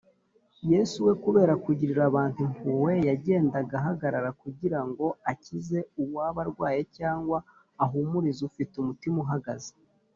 yesu we kubera kugirira abantu impuhwe yagendaga ahagarara kugira ngo akize uwaba arwaye cyangwa ahumurize ufite umutima uhagaze